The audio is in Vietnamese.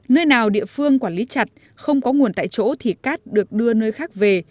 nơi nào địa phương quản lý chặt không có nguồn tại chỗ thì cát được đưa nơi khác về